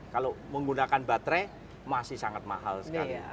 kalau menggunakan baterai masih sangat mahal sekali